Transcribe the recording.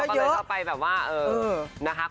พี่สาวโพสต์ก็เลยเข้าไปแบบว่าเออนะคะ